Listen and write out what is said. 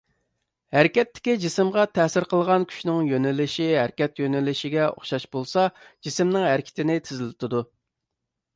ھەرىكەتتىكى جىسىمغا تەسىر قىلغان كۈچنىڭ يۆنىلىشى ھەرىكەت يۆنىلىشىگە ئوخشاش بولسا، جىسىمنىڭ ھەرىكىتىنى تېزلىتىدۇ.